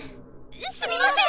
すみません！